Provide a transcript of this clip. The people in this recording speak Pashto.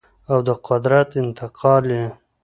او د قدرت انتقال یې